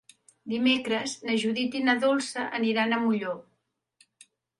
Dimecres na Judit i na Dolça aniran a Molló.